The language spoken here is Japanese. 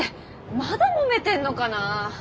まだもめてんのかなァ。